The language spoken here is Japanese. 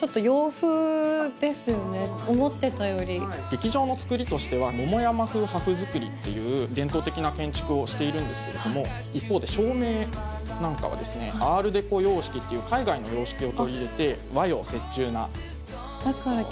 劇場の造りとしては桃山風破風造りっていう伝統的な建築をしているんですけれども一方で照明なんかはアールデコ様式っていう海外の様式を取り入れて和洋折衷な。